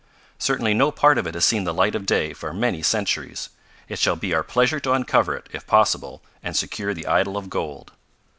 "Certainly no part of it has seen the light of day for many centuries. It shall be our pleasure to uncover it, if possible, and secure the idol of gold."